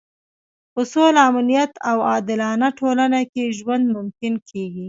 په سوله، امنیت او عادلانه ټولنه کې ژوند ممکن کېږي.